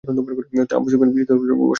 Abu Sufyan বিস্মিত হয়ে অশ্ব থামায়।